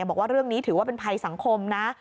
บอกว่าเรื่องนี้ถือว่าเป็นภัยสังคมนะ